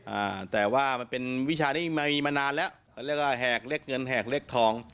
อ่าแต่ว่ามันเป็นวิชานี้มีมานานแล้วเขาเรียกว่าแหกเล็กเงินแหกเล็กทอง